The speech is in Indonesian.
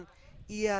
ia tak pernah berbicara